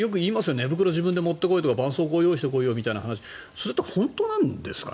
寝袋、自分で持ってこいとかばんそうこう用意して来いよみたいな話それって本当なんですかね？